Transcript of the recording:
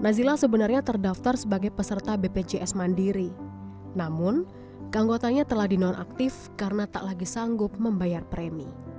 nazila sebenarnya terdaftar sebagai peserta bpjs mandiri namun keanggotanya telah di nonaktif karena tak lagi sanggup membayar premi